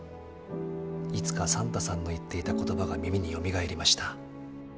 いつかサンタさんの言っていた言葉が耳によみがえりました。